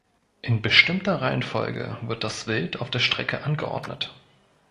In bestimmter Reihenfolge wird das Wild auf der Strecke angeordnet.